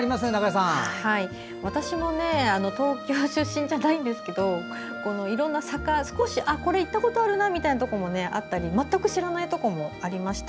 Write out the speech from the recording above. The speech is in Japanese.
私も東京出身じゃないんですけどこれ行ったことあるなみたいなところもあったり、全く知らないところもありました。